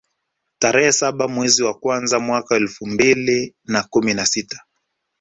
tarehe saba mwezi wa kwanza mwaka elfu mbili na kumi na sita